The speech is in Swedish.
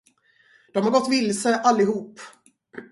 De har gått vilse, allihop.